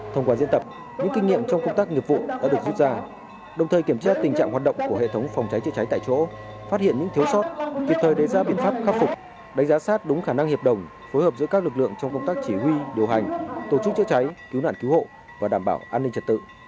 thông qua diễn tập những kinh nghiệm trong công tác nghiệp vụ đã được rút ra đồng thời kiểm tra tình trạng hoạt động của hệ thống phòng cháy chữa cháy tại chỗ phát hiện những thiếu sót kịp thời đề ra biện pháp khắc phục đánh giá sát đúng khả năng hiệp đồng phối hợp giữa các lực lượng trong công tác chỉ huy điều hành tổ chức chữa cháy cứu nạn cứu hộ và đảm bảo an ninh trật tự